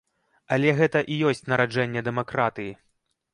Але гэта і ёсць нараджэнне дэмакратыі.